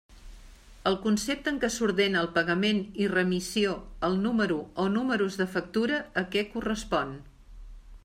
El concepte en què s'ordena el pagament i remissió al número o números de factura a què correspon.